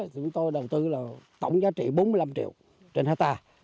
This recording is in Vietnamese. chúng tôi đầu tư là tổng giá trị bốn mươi năm triệu trên hectare